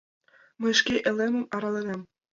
— Мый шке элемым араленам...